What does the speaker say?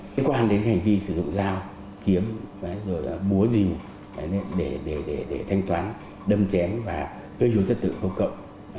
liên quan đến hành vi sử dụng dao kiếm búa dìu để thanh toán đâm chén và gây dụng trật tự không cộng